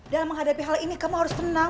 dalam menghadapi hal ini kamu harus tenang